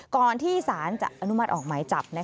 ก่อนที่สารจะอนุมัติออกหมายจับ